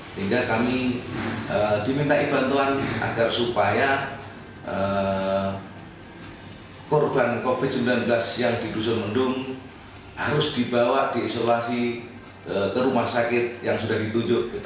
sehingga kami dimintai bantuan agar supaya korban covid sembilan belas yang di dusun mendung harus dibawa diisolasi ke rumah sakit yang sudah ditunjuk